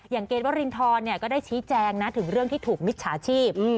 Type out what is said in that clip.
อย่างเกรดวทริณทรนะก็ได้ชี้แจงนะถึงเรื่องที่ถูกมัดมิจสาชีพ